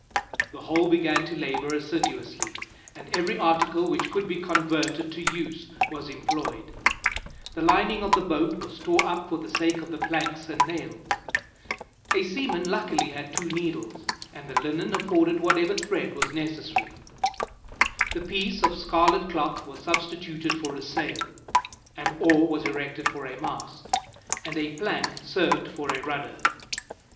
The whole began to labor assiduously, and every article which could be converted to use was employed; the lining of the boat was tore up for the sake of the planks and nails; a seaman luckily had two needles, and the linen afforded whatever thread was necessary; the piece of scarlet cloth was substituted for a sail; an oar was erected for a mast, and a plank served for a rudder.